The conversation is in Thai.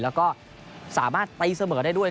แล้วก็สามารถตีเสมอได้ด้วย